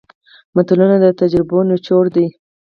متلونه د تجربو نچوړ دی